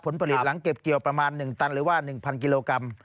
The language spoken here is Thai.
ผลผลิตหลังเก็บเกี่ยวประมาณ๑ตันหรือว่า๑๐๐กิโลกรัม